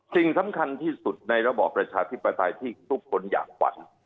สิ่งสำคัญที่สุดในระบอบประชาธิปไตยที่ทุกคนอยากฝัน